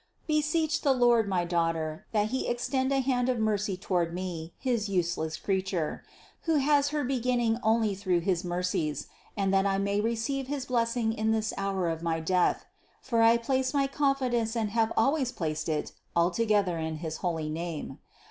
Beseech the Lord, my Daughter, that He extend a hand of mercy toward me, his useless crea ture, who has her beginning only through his mercies, and that I may receive his blessing in this hour of my death; for I place my confidence and have always placed it altogether in his holy name.